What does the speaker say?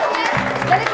masak apa pak